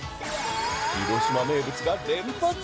広島名物が連発！